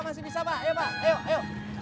masih bisa pak